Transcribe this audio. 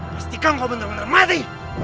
pastikan kau benar benar mati